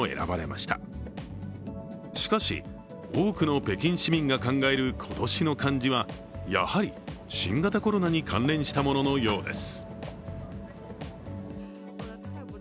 しかし、多くの北京市民が考える今年の漢字はやはり、新型コロナに関連したもののようです。